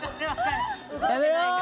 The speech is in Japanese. やめろ！